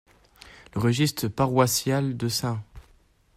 Le registre paroissial de St.